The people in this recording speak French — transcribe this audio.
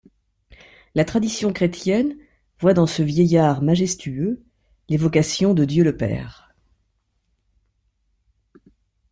La tradition chrétienne voit dans ce vieillard majestueux l'évocation de Dieu le Père.